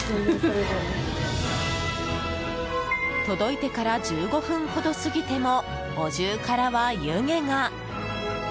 届いてから１５分ほど過ぎてもお重からは湯気が。